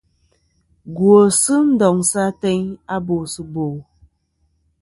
Gwosɨ ndoŋsɨ ateyn a bòsɨ bò.